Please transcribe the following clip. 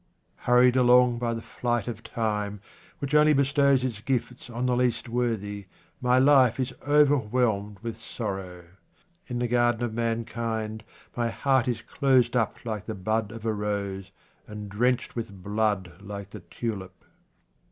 Hurried along by the flight of time, which only bestows its gifts on the least worthy, my life is overwhelmed with sorrow. In the garden of mankind my heart is closed up like the bud of a rose, and drenched with blood like the tulip.